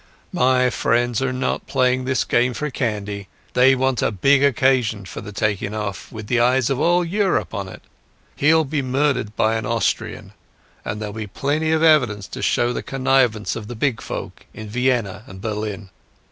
My friends are not playing this game for candy. They want a big occasion for the taking off, with the eyes of all Europe on it. He'll be murdered by an Austrian, and there'll be plenty of evidence to show the connivance of the big folk in Vienna and Berlin.